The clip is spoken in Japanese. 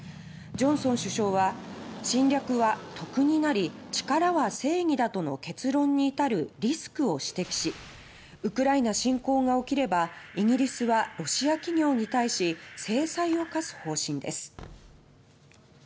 ジョンソン首相は「侵略は得であり力は正義だ」との結論に至るリスクを指摘しウクライナ侵攻が起きればイギリスはロシア企業に対し制裁を科す方針です。